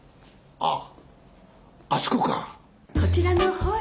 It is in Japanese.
あっ。